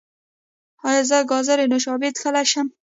ایا زه ګازي نوشابې څښلی شم؟